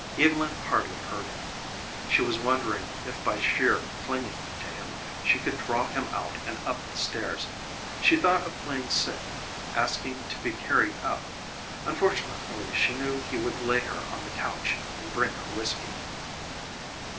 Evylyn hardly heard him. She was wondering if by sheer clinging to him she could draw him out and up the stairs. She thought of playing sick, asking to be carried up unfortunately she knew he would lay her on the couch and bring her whiskey.